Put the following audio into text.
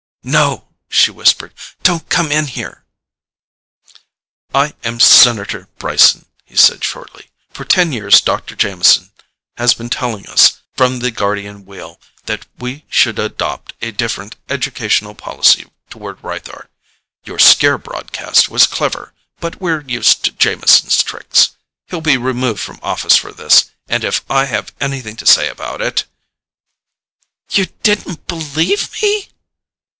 "No!" she whispered. "Don't come in here." "I am Senator Brieson," he said shortly. "For ten years Dr. Jameson has been telling us from the Guardian Wheel that we should adopt a different educational policy toward Rythar. Your scare broadcast was clever, but we're used to Jameson's tricks. He'll be removed from office for this, and if I have anything to say about it " "You didn't believe me?"